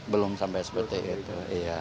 belum sampai seperti itu